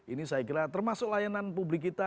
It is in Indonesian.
ini saya kira termasuk layanan publik kita